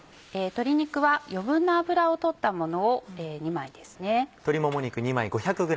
鶏肉は余分な脂を取ったものを２枚ですね。